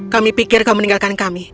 kami pikir kau meninggalkan kami